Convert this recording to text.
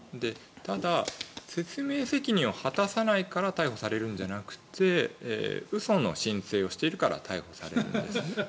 ただ、説明責任を果たさないから逮捕されるんじゃなくて嘘の申請をしているから逮捕されるんです。